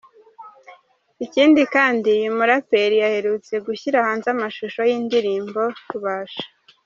Ikindi kandi uyu mulaperi aherutse gushyira hanze amashusho y’ indirimbo Rubasha.